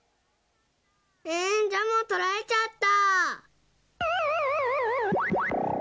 えんジャムをとられちゃった。